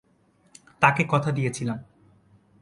তাকে কথা দিয়েছিলাম।